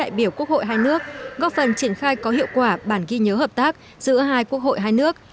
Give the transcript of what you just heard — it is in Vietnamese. đại biểu quốc hội hai nước góp phần triển khai có hiệu quả bản ghi nhớ hợp tác giữa hai quốc hội hai nước